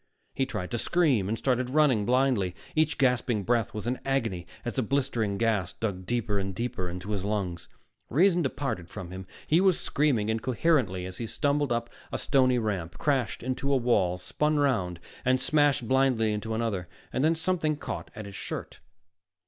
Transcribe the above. He tried to scream, and started running, blindly. Each gasping breath was an agony as the blistering gas dug deeper and deeper into his lungs. Reason departed from him; he was screaming incoherently as he stumbled up a stony ramp, crashed into a wall, spun around and smashed blindly into another. Then something caught at his shirt.